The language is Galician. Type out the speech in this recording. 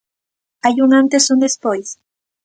Hai un antes e un despois?